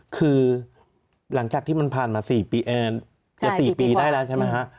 คือหลังจากที่มันผ่านมา๔ปีจะ๔ปีได้แล้วใช่ไหมฮะ